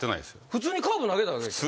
普通にカーブ投げただけでしょ？